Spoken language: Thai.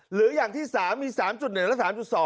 หรืออย่างที่๓มี๓๑และ๓๒